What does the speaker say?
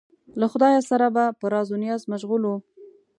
له خدایه سره به په راز و نیاز مشغول و.